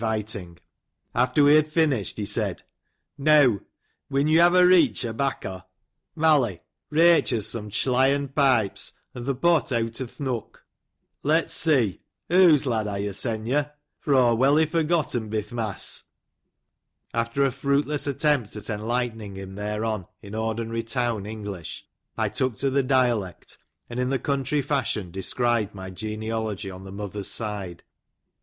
"* After we had finished, he said, " Neaw, win yo have a reech o' bacco ? Mally, reytch us some chlyen pipes, an th' pot eot o'th' nook. Let's see, hoo's lad are yo, sen yo ; for aw welly forgetten, bith' mass." After a fruitless attempt at enlightening him thereon in ordinary town English, I took to the dialect, and in the country fashion described my genealogy, on the mother's side.